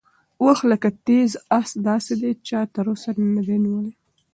وخت لکه تېز اس داسې دی چې چا تر اوسه نه دی نیولی.